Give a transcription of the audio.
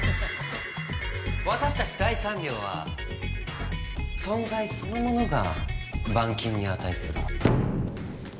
私たち第三寮は存在そのものが万金に値する。